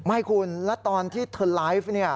ไม่คุณแล้วตอนที่เธอไลฟ์เนี่ย